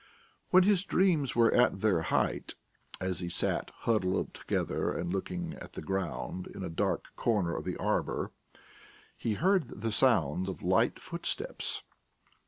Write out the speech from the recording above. When his dreams were at their height, as he sat huddled together and looking at the ground in a dark corner of the arbour, he heard the sound of light footsteps.